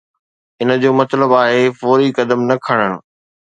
ان جو مطلب آهي فوري قدم نه کڻڻ.